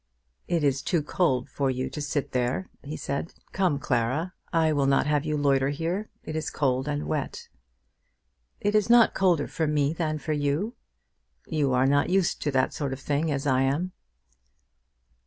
"It is too cold for you to sit there," he said. "Come, Clara; I will not have you loiter here. It is cold and wet." "It is not colder for me than for you." "You are not used to that sort of thing as I am."